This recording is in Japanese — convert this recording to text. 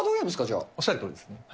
じゃおっしゃるとおりですね。